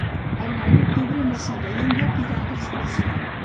El nou d'octubre na Cira i en Llop iran d'excursió.